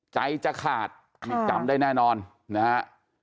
ใจจะขาดนี่จำได้แน่นอนนะฮะ